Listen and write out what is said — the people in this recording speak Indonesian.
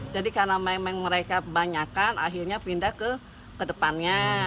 jadi karena memang mereka banyak kan akhirnya pindah ke depannya